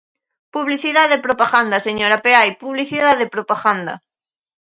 Publicidade e propaganda, señora Peai, publicidade e propaganda.